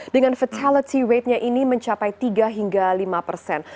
dengan fatality ratenya ini mencapai tiga hingga lima persen